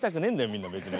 みんな別に。